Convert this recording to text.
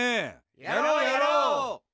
やろうやろう！